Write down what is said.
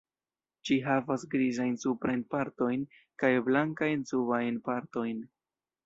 Ĝi havas grizajn suprajn partojn kaj blankajn subajn partojn.